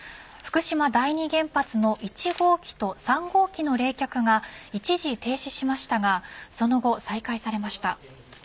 福島第二原発の１号機と３号機の冷却が一時停止しましたがその後、再開されました。